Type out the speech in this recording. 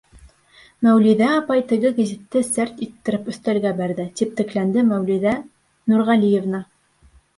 — Мәүлиҙә апай теге гәзитте сәрт иттереп өҫтәлгә бәрҙе. — тип текләнде Мәүлиҙә Нурғәлиевна.